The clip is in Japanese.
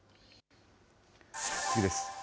次です。